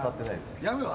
やめろ。